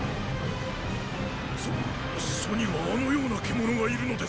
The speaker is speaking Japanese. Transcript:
そ楚にはあのような獣がいるのですか！